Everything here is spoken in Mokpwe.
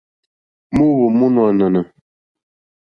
Moohvò mo nò ànànà.